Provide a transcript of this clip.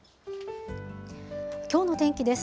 きょうの天気です。